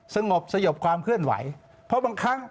สงบสยบความเคลื่อนไหวเพราะบางครั้ง